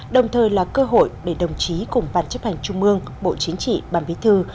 đồng thời là cơ hội để đồng chí cùng văn chấp hành trung mương bộ chính trị bản viết thư